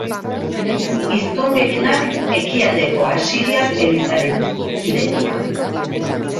Hiztun gehienak Ekialdeko Asiriar Elizaren kide dira.